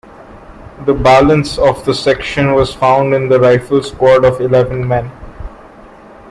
The balance of the section was found in the rifle squad of eleven men.